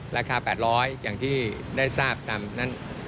ราคา๘๐๐อย่างที่ได้ทราบตามนั้น